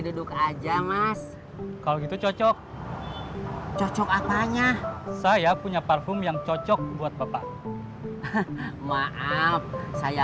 duduk aja mas kalau gitu cocok cocok apanya saya punya parfum yang cocok buat bapak maaf saya